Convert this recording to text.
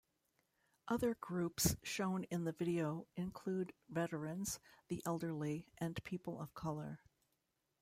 Other groups shown in the video include veterans, the elderly, and people of colour.